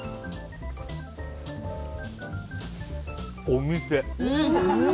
お店！